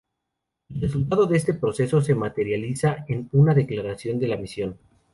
El resultado de este proceso se materializa en una declaración de la misión.